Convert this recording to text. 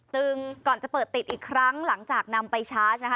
ก่อนจะเปิดติดอีกครั้งหลังจากนำไปชาร์จนะคะ